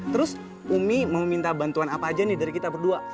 terus umi mau minta bantuan apa aja nih dari kita berdua